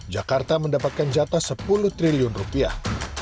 jakarta mendapatkan jatah sepuluh triliun rupiah